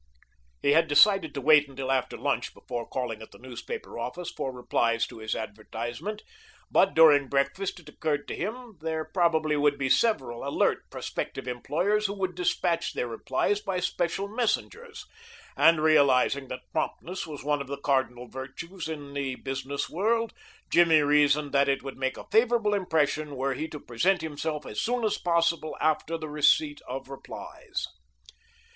He had decided to wait until after lunch before calling at the newspaper office for replies to his advertisement, but during breakfast it occurred to him there probably would be several alert prospective employers who would despatch their replies by special messengers, and realizing that promptness was one of the cardinal virtues in the business world, Jimmy reasoned that it would make a favorable impression were he to present himself as soon as possible after the receipt of replies.